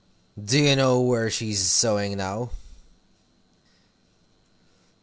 Do you know where she's sewing now?"